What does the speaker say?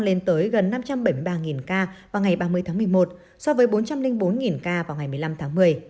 lên tới gần năm trăm bảy mươi ba ca vào ngày ba mươi tháng một mươi một so với bốn trăm linh bốn ca trong năm hai nghìn hai mươi một